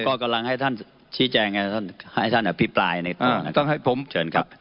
ผมก็กำลังให้ท่านชี้แจงให้ท่านอภิปรายในตัวนะครับ